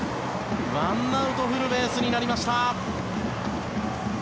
１アウト、フルベースになりました。